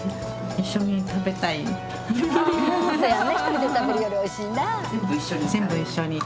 １人で食べるよりおいしいな。